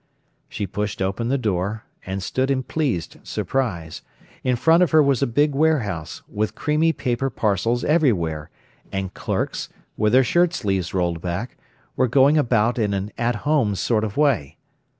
She pushed open the door, and stood in pleased surprise. In front of her was a big warehouse, with creamy paper parcels everywhere, and clerks, with their shirt sleeves rolled back, were going about in an at home sort of way.